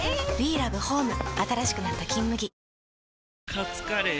カツカレー？